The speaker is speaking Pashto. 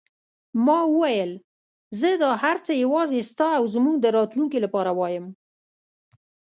ما وویل: زه دا هر څه یوازې ستا او زموږ د راتلونکې لپاره وایم.